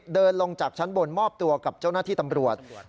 เดินลงจากชั้นบนมอบตัวกับเจ้าหน้าที่ตำรวจ